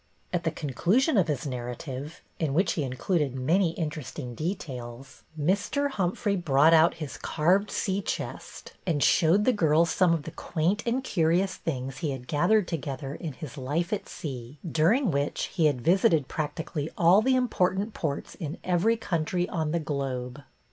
At the conclusion of his narrative, in which he included many interesting details, Mr. Humphrey brought out his carved sea BETTY BAIRD 236 chest and showed the girls some of the quaint and curious things he had gathered together in his life at sea, during which he had visited practically all the important ports in every country on the globe.